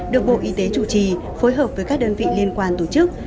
được bộ y tế chủ trì phối hợp với các đơn vị liên quan tổ chức